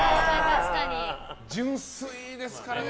純粋ですからね